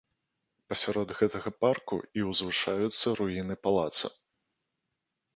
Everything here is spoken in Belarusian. Пасярод гэтага парку і узвышаюцца руіны палаца.